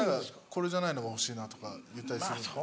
「これじゃないのが欲しいな」とか言ったりするんで。